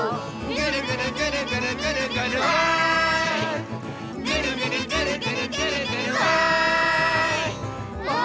「ぐるぐるぐるぐるぐるぐるわい！」